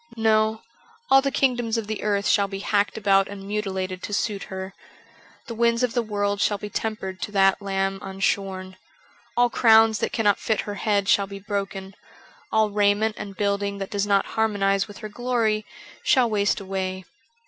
No ; all the kingdoms of the earth shall be hacked about and mutilated to suit her. The winds of the world shcill be tempered to that lamb unshorn. All crowns that cannot fit her head shall be broken ; all raiment and building that does not harmonize with her glory shall waste away.